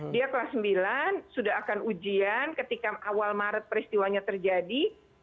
dia kelas sembilan sudah akan ujian ketika awal maret peristiwanya terjadi